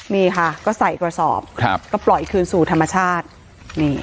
นี่ค่ะก็ใส่กระสอบครับก็ปล่อยคืนสู่ธรรมชาตินี่